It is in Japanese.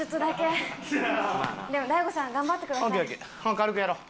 ほな軽くやろう。